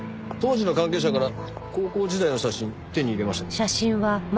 当時の関係者から高校時代の写真手に入れました。